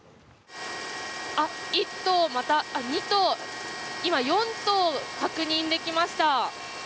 １頭、また２頭今、４頭確認できました。